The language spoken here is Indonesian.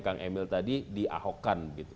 kang emil tadi di ahokkan